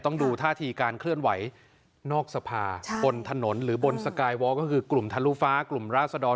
ต้องดูท่าทีการเคลื่อนไหวนอกสภาบนถนนหรือบนสกายวอลก็คือกลุ่มทะลุฟ้ากลุ่มราศดร